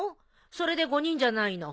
それで５人じゃないの。